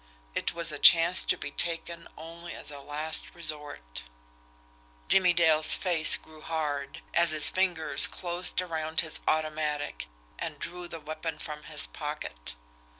It was a chance to be taken only as a last resort. Jimmie Dale's face grew hard, as his fingers closed around his automatic and drew the weapon from his pocket.